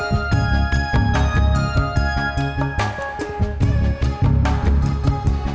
tadi janjianya masing masing langsung kesini